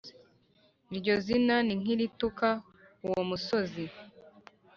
iryo zina ni nk’irituka uwo musozi